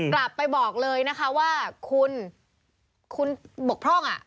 กลับไปบอกเลยนะคะว่าคุณคุณบกพร่อง